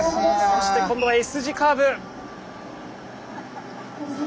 そしてこのＳ字カーブ。